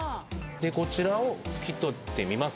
こちらを拭き取ってみます。